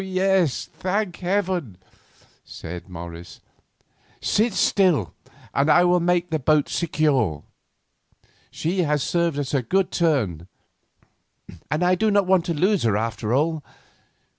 "Yes, thank Heaven!" said Morris. "Sit still, and I will make the boat secure. She has served us a good turn, and I do not want to lose her after all."